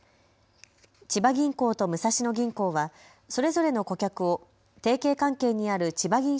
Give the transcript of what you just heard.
千葉銀行と武蔵野銀行はそれぞれの顧客を提携関係にあるちばぎん